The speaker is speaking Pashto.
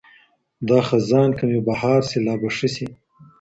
دا خزان که مي بهار سي لابه ښه سي